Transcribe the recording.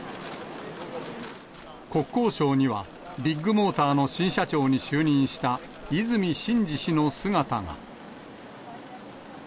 国交省には、ビッグモーターの新社長に就任した和泉伸二氏の姿が。